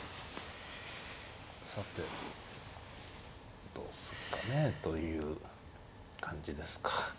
さてどうするかねという感じですか。